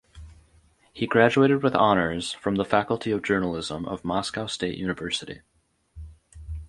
He graduated with honors from the Faculty of Journalism of Moscow State University.